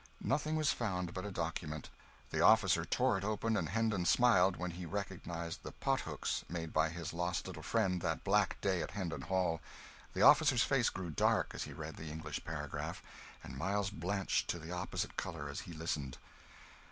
Nothing was found but a document. The officer tore it open, and Hendon smiled when he recognised the 'pot hooks' made by his lost little friend that black day at Hendon Hall. The officer's face grew dark as he read the English paragraph, and Miles blenched to the opposite colour as he listened.